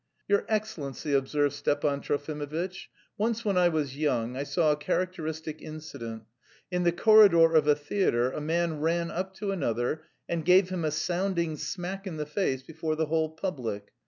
"Your Excellency," observed Stepan Trofimovitch, "once when I was young I saw a characteristic incident. In the corridor of a theatre a man ran up to another and gave him a sounding smack in the face before the whole public.